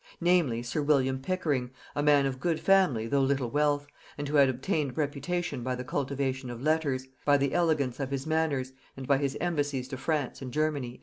Namely sir William Pickering, a man of good family though little wealth, and who had obtained reputation by the cultivation of letters, by the elegance of his manners, and by his embassies to France and Germany."